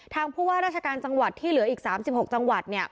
ผู้ว่าราชการจังหวัดที่เหลืออีก๓๖จังหวัดเนี่ย